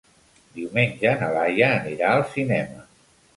Diumenge na Laia anirà al cinema.